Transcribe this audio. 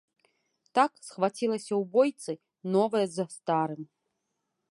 Так схвацілася ў бойцы новае з старым.